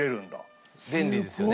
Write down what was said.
便利ですよね。